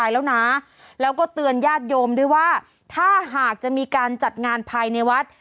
แล้วนะแล้วก็เตือนญาติโยมด้วยว่าถ้าหากจะมีการจัดงานภายในวัด